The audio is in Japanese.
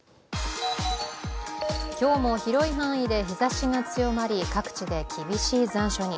今日も広い範囲で日ざしが強まり、各地で厳しい残暑に。